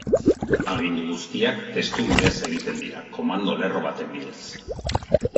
Agindu guztiak testu bidez egiten dira, komando-lerro baten bidez.